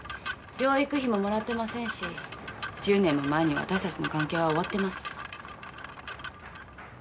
養育費ももらってませんし１０年も前に私たちの関係は終わってます。